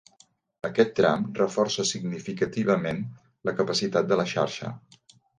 Aquest tram reforça significativament la capacitat de la xarxa.